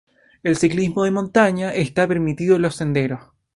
El ciclismo de montaña está permitido en los senderos.